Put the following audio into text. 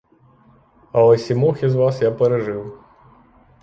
Але сімох із вас я пережив.